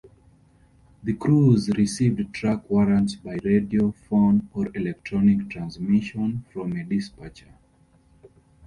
The crews receive track warrants by radio, phone, or electronic transmission from a dispatcher.